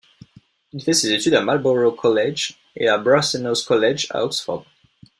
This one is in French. Il fait ses études à Marlborough College et à Brasenose College à Oxford.